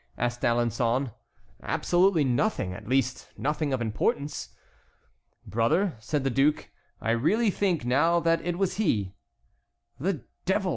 asked D'Alençon. "Absolutely nothing; at least, nothing of importance." "Brother," said the duke; "I really think now that it was he." "The devil!"